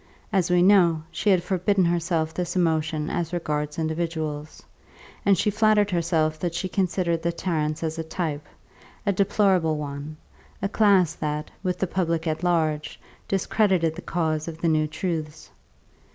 As we know, she had forbidden herself this emotion as regards individuals; and she flattered herself that she considered the Tarrants as a type, a deplorable one, a class that, with the public at large, discredited the cause of the new truths.